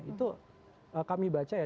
itu kami baca ya